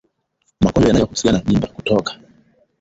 Magonjwa yanayohusisha mimba kutoka